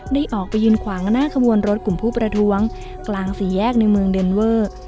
ได้ออกไปยืนขวางหน้าขบวนรถกลุ่มผู้ประท้วงกลางสี่แยกในเมืองเดนเวอร์